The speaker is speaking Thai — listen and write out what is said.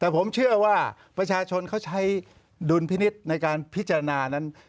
แต่ผมเชื่อว่าประชาชนเขาใช้ดุลพินิษฐ์ในการพิจารณานั้น